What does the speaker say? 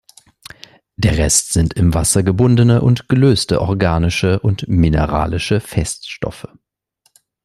Der Rest sind im Wasser gebundene und gelöste organische und mineralische Feststoffe.